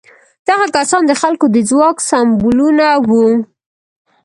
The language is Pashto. دغه کسان د خلکو د ځواک سمبولونه وو.